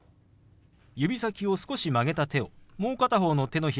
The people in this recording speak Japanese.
指先を少し曲げた手をもう片方の手のひらにポンと置きます。